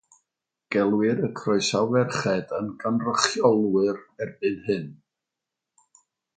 Gelwir y croesawferched yn gynrychiolwyr erbyn hyn.